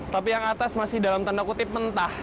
tapi yang atas masih dalam tanda kutip mentah